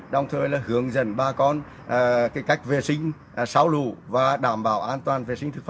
đồng thời hướng dẫn bà con cách vệ sinh xáo lủ và đảm bảo an toàn